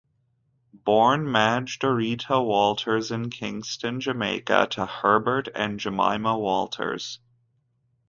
Born Madge Dorita Walters in Kingston, Jamaica, to Herbert and Jemima Walters.